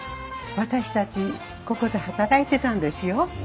私たちここで働いてたんですよ。